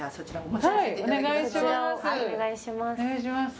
お願いします